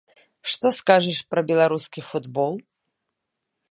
Што скажаш пра беларускі футбол?